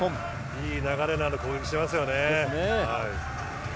いい流れのある攻撃をしてますよね。